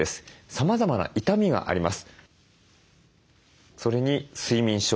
さまざまな痛みがあります。